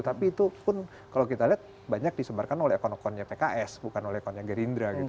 tapi itu pun kalau kita lihat banyak disebarkan oleh akun akunnya pks bukan oleh akunnya gerindra gitu